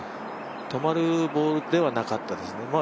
止まるボールではなかったですね。